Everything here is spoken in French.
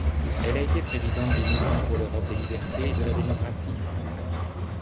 Elle a été présidente du Mouvement pour l'Europe des libertés et de la démocratie.